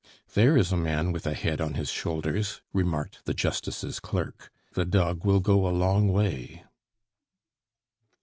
"There is a man with a head on his shoulders," remarked the justice's clerk. "The dog will go a long way."